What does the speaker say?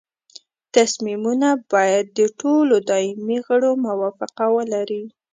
تصمیمونه باید د ټولو دایمي غړو موافقه ولري.